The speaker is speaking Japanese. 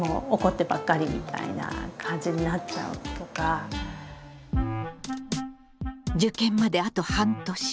今では受験まであと半年。